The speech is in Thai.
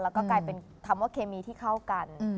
แล้วก็กลายเป็นคำว่าเคมีที่เข้ากัน